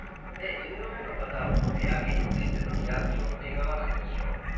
ニューヨークの方この値上げについてのリアクションっていかがなんでしょう。